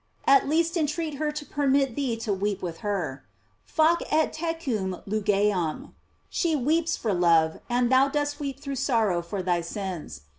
* At least entreat her to permit thee to weep with her: "Fac ut tecum lugeam." She weeps for love, and thou dost weep through sorrow for thy gins.